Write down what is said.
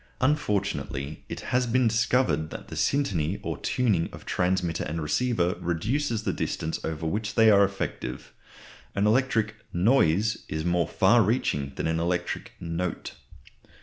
Unfortunately, it has been discovered that the syntony or tuning of transmitter and receiver reduces the distance over which they are effective. An electric "noise" is more far reaching than an electric "note."